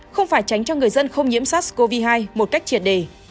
không phải tránh cho người dân không nhiễm sars cov hai một cách triệt đề